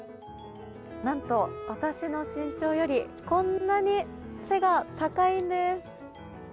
何と私の身長よりこんなに背が高いんです。